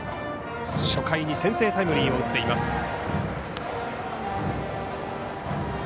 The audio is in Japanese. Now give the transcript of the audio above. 初回に先制タイムリーを打っています。